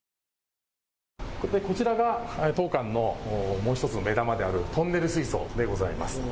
こちらが当館のもう１つの目玉であるトンネル水槽でございます。